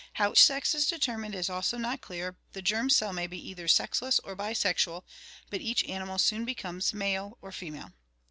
How sex is determined is also not clear; the germ cell may be either sexless or bisexual, but each animal soon becomes male or female.